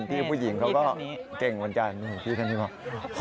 พี่ผู้หญิงเขาก็เก่งเหมือนกัน